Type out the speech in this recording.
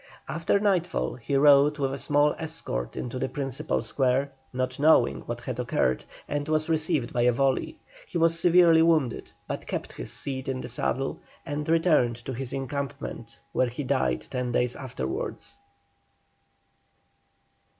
After nightfall he rode with a small escort into the principal square, not knowing what had occurred, and was received by a volley. He was severely wounded, but kept his seat in the saddle, and returned to his encampment, where he died ten days afterwards.